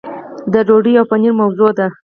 د ډوډۍ او پنیر موضوع ده.